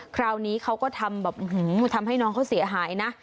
คราวนี้เขาก็ทำแบบทำให้น้องเขาเสียหายนะ